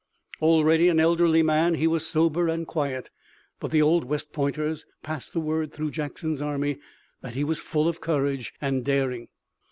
Already an elderly man, he was sober and quiet, but the old West Pointers passed the word through Jackson's army that he was full of courage and daring.